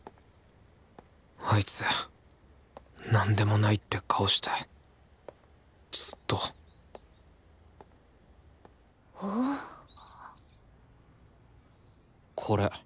あいつなんでもないって顔してずっとこれ。